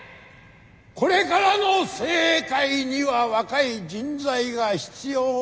これからの政界には若い人材が必要なんです！